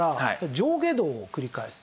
上下動を繰り返す。